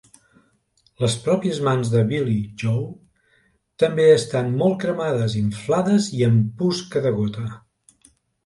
Les pròpies mans de Billie Jo també estan molt cremades, inflades i amb pus que degota.